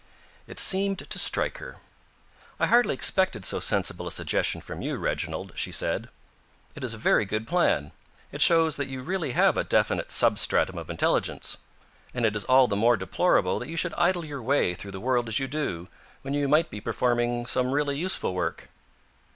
It seemed to strike her. "I hardly expected so sensible a suggestion from you, Reginald," she said. "It is a very good plan. It shows that you really have a definite substratum of intelligence; and it is all the more deplorable that you should idle your way through the world as you do, when you might be performing some really useful work."